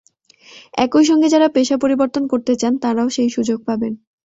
একই সঙ্গে যাঁরা পেশা পরিবর্তন করতে চান, তাঁরাও সেই সুযোগ পাবেন।